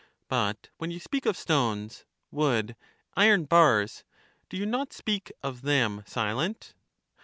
But when you speak of stones, wood, iron bars, do you not speak (of them) silent?